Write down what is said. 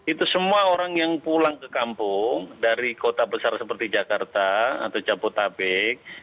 itu semua orang yang pulang ke kampung dari kota besar seperti jakarta atau jabodetabek